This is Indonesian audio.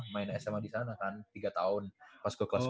main sma di sana kan tiga tahun pas gua kelas sepuluh